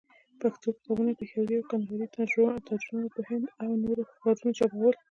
پښتو کتابونه، پېښوري او کندهاري تاجرانو په هند او نورو ښارو چاپول.